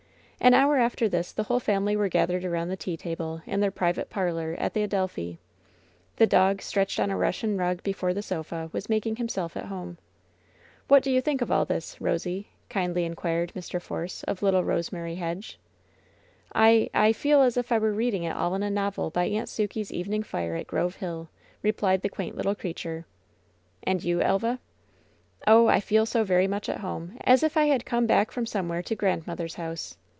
An hour after this the whole family were gathered around the tea table in their private parlor at the Adel phi. The dog, stretched on a Russian rug before the sofa, was making himself at home. ''What do you think of all this, Rosie V kindly in quired Mr. Force of little Rosemary Hedge. "I — I — feel as if I were reading it all in a novel by Aunt Sukey's evening fire at Grove Hill,'' replied tho quaint little creature. "Andyou, ElvaT ''Oh, I feel so very much at home, as if I had come back from somewhere to grandmother's house.